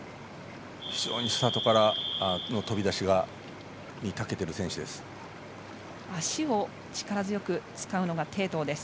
非常にスタートからの飛び出しにたけている選手です。